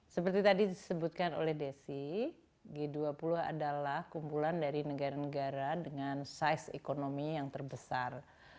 seperti tadi disebutkan oleh desi g dua puluh adalah kumpulan dari negara negara dengan size ekonomi yang terbesar